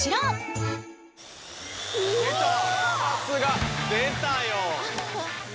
さすが！出たよ。